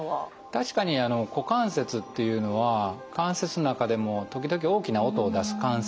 確かに股関節っていうのは関節の中でも時々大きな音を出す関節として知られてます。